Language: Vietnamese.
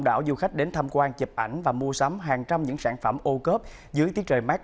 đảo du khách đến tham quan chụp ảnh và mua sắm hàng trăm những sản phẩm ô cớp dưới tiết trời mát